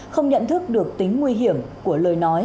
không nhận thức được tính nguy hiểm của lời nói